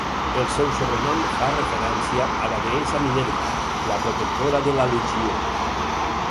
El seu sobrenom fa referència a la deessa Minerva, la protectora de la legió.